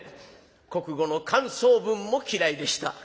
国語の感想文も嫌いでした。